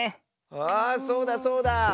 あそうだそうだ！